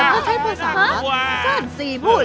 ก็ใช้ภาษาสร้างสีมุ่น